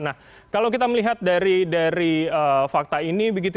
nah kalau kita melihat dari fakta ini begitu